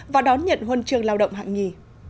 và đón nhận huân trường lao động hạng nhì